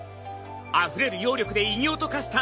あふれる妖力で異形と化した信長。